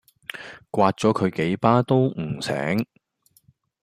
摑左佢幾巴都唔醒